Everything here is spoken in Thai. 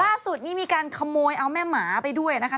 ล่าสุดนี้มีการขโมยเอาแม่หมาไปด้วยนะคะ